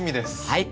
はい。